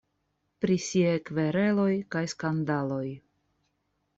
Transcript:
Pri siaj kvereloj kaj skandaloj.